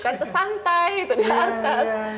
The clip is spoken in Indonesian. kan itu santai gitu di atas